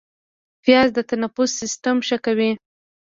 پیاز د تنفس سیستم ښه کوي